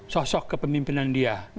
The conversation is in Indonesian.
sosok kepemimpinan dia